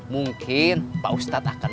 mungkin pak ustadz akan